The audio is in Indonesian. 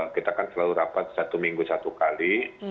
kita kan selalu rapat satu minggu satu kali